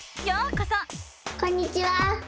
こんにちは！